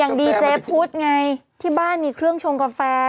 ดีเจพุทธไงที่บ้านมีเครื่องชงกาแฟ